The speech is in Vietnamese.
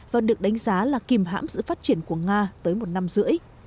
và được đánh giá là kìm hãm sự phát triển của nga tới một năm rưỡi